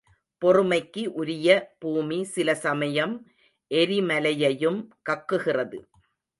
பொறுமைக்கு உரிய பூமி சில சமயம் எரிமலையையும் கக்குகிறது.